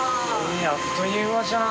あっという間じゃん。